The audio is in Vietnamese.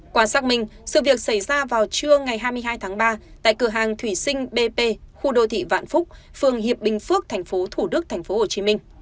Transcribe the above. qua xác minh sự việc xảy ra vào trưa ngày hai mươi hai tháng ba tại cửa hàng thủy sinh bp khu đô thị vạn phúc phường hiệp bình phước tp thủ đức tp hcm